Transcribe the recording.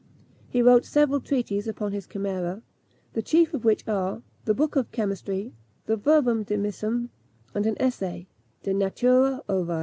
He wrote several treatises upon his chimera, the chief of which are, the Book of Chemistry, the Verbum dimissum, and an essay De Natura Ovi.